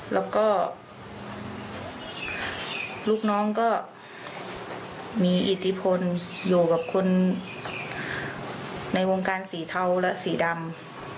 แล้วก็ลูกน้องก็มีอิทธิพลอยู่กับคนในวงการสีเทาและสีดำ